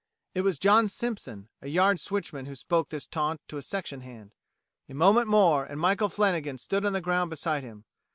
It was John Simpson, a yard switchman who spoke this taunt to a section hand. A moment more and Michael Flannagan stood on the ground beside him.